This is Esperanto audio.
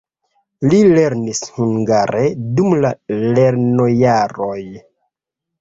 Li lernis hungare dum la lernojaroj.